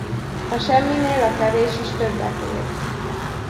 A semminél a kevés is többet ér.